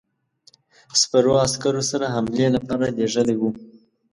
سپرو عسکرو سره حملې لپاره لېږلی وو.